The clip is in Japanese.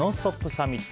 サミット。